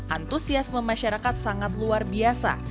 antusiasme masyarakat sangat luar biasa